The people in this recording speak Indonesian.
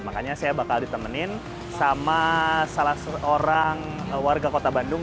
makanya saya bakal ditemenin sama salah seorang warga kota bandung